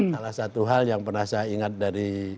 salah satu hal yang pernah saya ingat dari